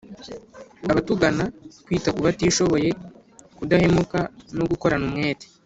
abatugana, kwita ku batishoboye, kudahemuka no gukorana umwete.